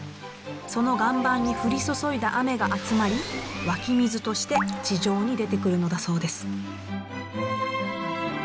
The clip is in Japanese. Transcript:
その岩盤に降り注いだ雨が集まり湧き水として地上に出てくるのだそうです。